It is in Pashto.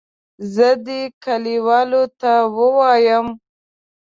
زه دې کلیوالو ته ووایم.